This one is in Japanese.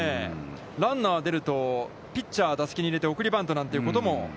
ランナーが出ると、ピッチャーを打席に入れて、送りバントなんてことも。